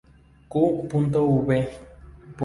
Q. v.